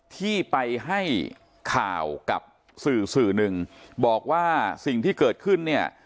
ที่ไปให้ข่าวกับสื่อสื่อหนึ่งบอกว่าสิ่งที่เกิดขึ้นเนี่ย